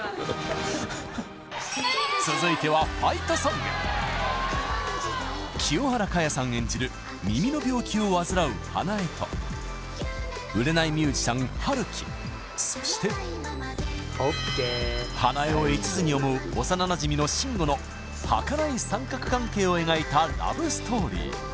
続いては清原果耶さん演じる耳の病気を患う花枝と売れないミュージシャン春樹そして花枝をいちずに思う幼なじみの慎吾のはかない三角関係を描いたラブストーリー